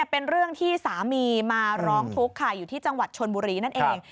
เป็นเรื่องที่สามีมาร้องทุกข์ค่ะอยู่ที่จังหวัดชนบุรีนั่นเอง